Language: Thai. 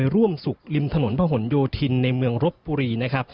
ร่วมศุกริมถนนพหนโยธินทรปุรี